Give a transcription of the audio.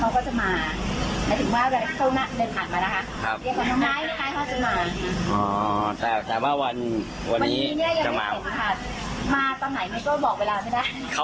ปิ๊บั๊นเขาฟังทุกเรื่องแล้วนะคะ